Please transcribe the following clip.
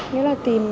thế là tìm